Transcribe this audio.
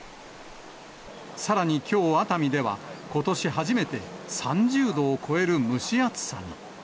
さらにきょう熱海ではことし初めて、３０度を超える蒸し暑さに。